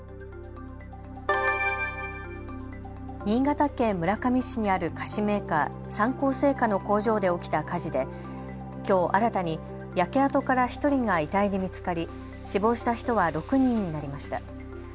新潟県村上市にある菓子メーカー、三幸製菓の工場で起きた火事できょう新たに焼け跡から１人が遺体で見つかり死亡した人は６人になりました。